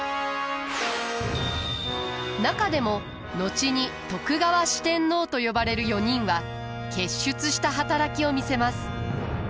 中でも後に徳川四天王と呼ばれる４人は傑出した働きを見せます。